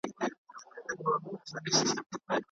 د انارګل مور د خوښۍ له امله موسکۍ شوه.